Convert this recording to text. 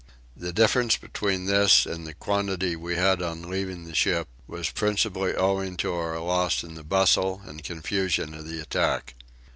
The difference between this and the quantity we had on leaving the ship was principally owing to our loss in the bustle and confusion of the attack.